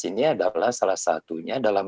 ini adalah salah satunya dalam